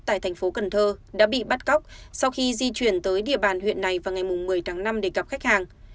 tại thành phố cần thơ đã bị bắt cóc sau khi di chuyển tới địa bàn huyện này vào ngày một mươi tháng năm để gặp khách hàng